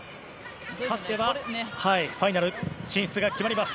勝てばファイナル進出が決まります。